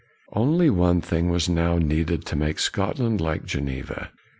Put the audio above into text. Only one thing was now needed to make Scotland like Geneva.